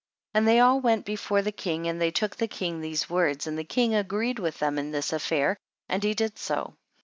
22. And they all went before the king, and they told the king these words, and the king agreed with them in this affair, and he did so.